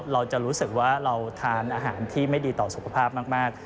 เราจะรู้สึกว่าเราทานอาหารที่ไม่ดีต่อสุขภาพมาก